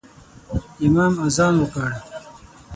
امام اذان وکړ